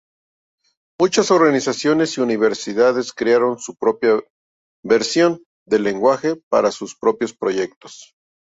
Muchas organizaciones y universidades crearon sus propias versiones del lenguaje para sus propios proyectos.